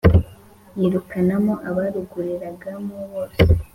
yirukanamo abaruguriragamo bose